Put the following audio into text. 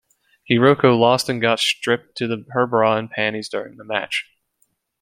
Hiroko lost and got stripped to her bra and panties during the match.